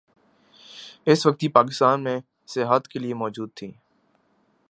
اس وقت یہ پاکستان میں سیاحت کے لیئے موجود تھیں۔